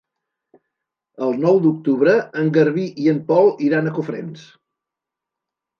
El nou d'octubre en Garbí i en Pol iran a Cofrents.